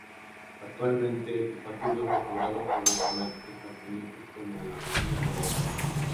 Actualmente, este partido es recordado por los fanáticos japoneses como la Agonía de Doha.